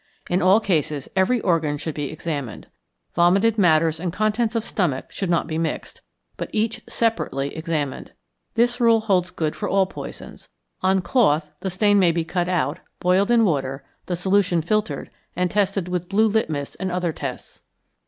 In all cases every organ should be examined. Vomited matters and contents of stomach should not be mixed, but each separately examined. This rule holds good for all poisons. On cloth the stain may be cut out, boiled in water, the solution filtered, and tested with blue litmus and other tests.